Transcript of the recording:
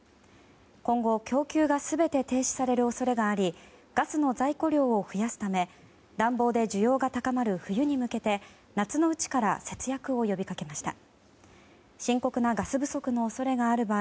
今後、供給が全て停止される恐れがありガスの在庫量を増やすため暖房で需要が高まる冬に向けて夏のうちから節約を呼びかけました。